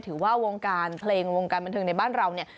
ถือว่าวงการเพลงวงการบันเทิงในบ้านเราเนี่ย